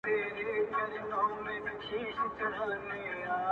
عِلم حاصلېږي مدرسو او مکتبونو کي,